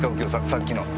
さっきの。